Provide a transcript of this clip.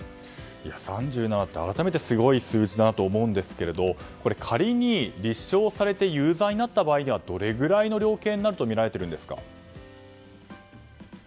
３７って、改めてすごい数字だなと思いますが仮に立証されて有罪になった場合どれぐらいの量刑になると見られているんですか？